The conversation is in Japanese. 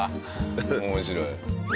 面白い。